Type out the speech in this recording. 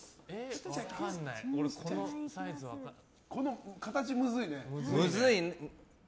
この形むずいね。